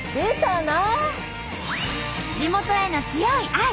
地元への強い愛。